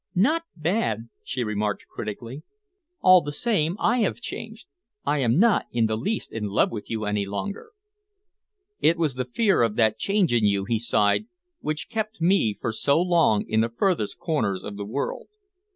"Not bad," she remarked critically. "All the same, I have changed. I am not in the least in love with you any longer." "It was the fear of that change in you," he sighed, "which kept me for so long in the furthest corners of the world."